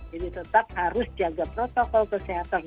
jadi tetap harus jaga protokol kesehatan